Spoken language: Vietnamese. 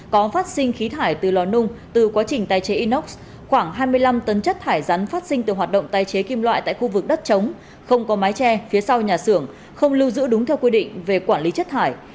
có phát sinh khí thải từ lò nung từ quá trình tái chế inox khoảng hai mươi năm tấn chất thải rắn phát sinh từ hoạt động tái chế kim loại tại khu vực đất chống không có mái che phía sau nhà xưởng không lưu giữ đúng theo quy định về quản lý chất thải